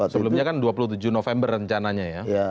sebelumnya kan dua puluh tujuh november rencananya ya